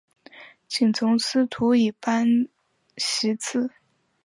请从司徒以班徙次。